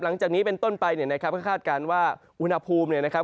หลังจากนี้เป็นต้นไปเนี่ยนะครับก็คาดการณ์ว่าอุณหภูมิเนี่ยนะครับ